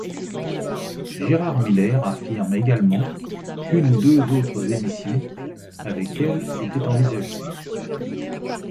Gérard Miller affirme également qu'une ou deux autres émissions avec elle était envisagée.